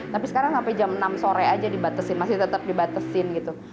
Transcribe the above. tapi sekarang sampai jam enam sore aja dibatasi masih tetap dibatasin gitu